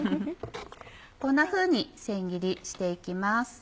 こんなふうに千切りして行きます。